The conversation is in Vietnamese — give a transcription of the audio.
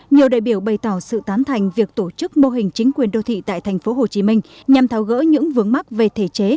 nhiều đại biểu bày tỏ sự tán thành việc tổ chức mô hình chính quyền đô thị tại tp hcm nhằm tháo gỡ những vướng mắc về thể chế